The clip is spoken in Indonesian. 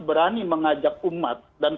berani mengajak umat dan